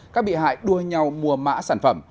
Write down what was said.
các bị hại đua nhau mua mã sản phẩm